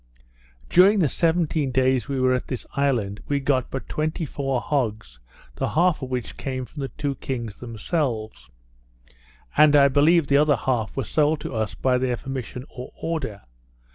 During the seventeen days we were at this island, we got but twenty four hogs, the half of which came from the two kings themselves; and, I believe, the other half were sold us by their permission or order.